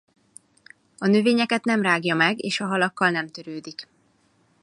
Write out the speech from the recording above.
A növényeket nem rágja meg és a halakkal nem törődik.